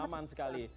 oke aman sekali